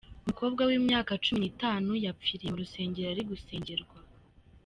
Umukobwa w’imyaka cumi nitanu yapfiriye mu rusengero ari gusengerwa